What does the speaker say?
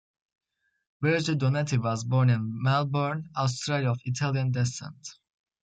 Virgil Donati was born in Melbourne, Australia of Italian descent.